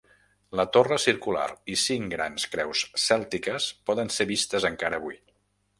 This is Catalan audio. La torre circular i cinc grans creus cèltiques poden ser vistes encara avui.